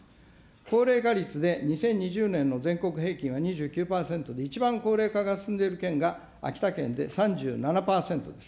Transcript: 高齢化率で２０２０年の全国平均は２９％で、一番高齢化が進んでいる県が秋田県で３７％です。